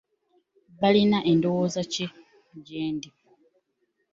Balina ndowooza ki gyendi?